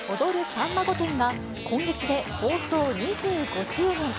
さんま御殿！が今月で放送２５周年。